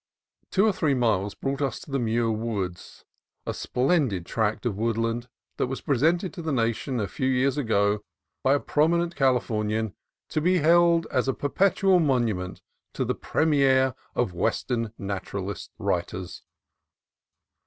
Two or three miles brought us to the Muir Woods, a splendid tract of woodland that was presented to the nation a few years ago by a prominent Califor nian, to be held as a perpetual monument to the pre mier of Western naturalist writers.